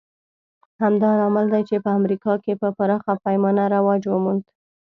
همدا لامل دی چې په امریکا کې په پراخه پینه رواج وموند